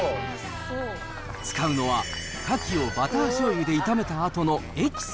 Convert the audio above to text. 使うのはカキをバターしょうゆで炒めたあとのエキス。